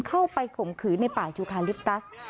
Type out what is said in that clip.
เข้าไปข่มขือในป่ายอุคาลิปตัส